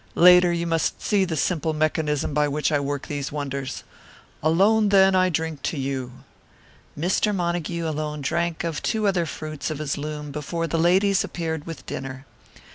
Later you must see the simple mechanism by which I work these wonders. Alone, then, I drink to you." Mr. Montague alone drank of two other fruits of his loom before the ladies appeared with dinner.